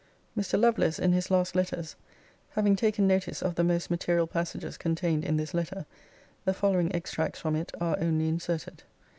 [Mr. Lovelace, in his last letters, having taken notice of the most material passages contained in this letter, the following extracts from it are only inserted.